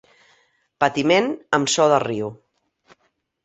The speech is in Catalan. Patiment amb so de riu.